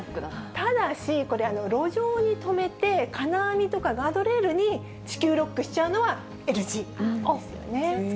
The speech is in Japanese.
ただし、これ、路上に止めて金網とかガードレールに地球ロックしちゃうのは、ＮＧなんですよね。